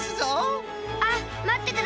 あっ！